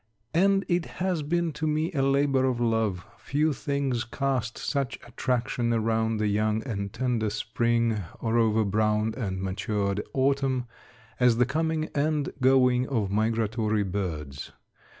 And it has been to me a labor of love. Few things cast such attraction around the young and tender spring or over brown and matured autumn, as the coming and going of migratory birds.